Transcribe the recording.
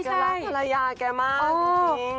รักภรรยาแกมากจริง